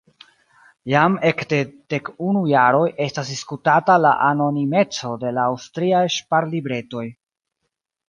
Jam ekde dek unu jaroj estas diskutata la anonimeco de la aŭstriaj ŝparlibretoj.